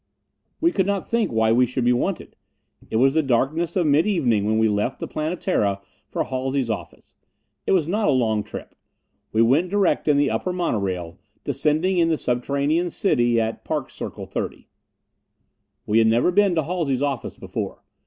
We could not think why we should be wanted. It was the darkness of mid evening when we left the Planetara for Halsey's office. It was not a long trip. We went direct in the upper monorail, descending into the subterranean city at Park Circle 30. We had never been to Halsey's office before.